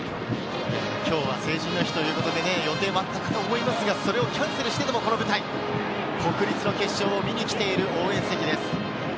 今日は成人の日ということで、予定もあったかと思いますが、それをキャンセルして、この舞台、国立の決勝を見に来ている応援席です。